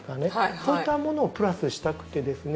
そういったものをプラスしたくてですね